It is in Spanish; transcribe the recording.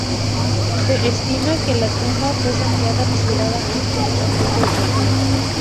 Se estima que la tumba fue saqueada apresuradamente en una fecha desconocida.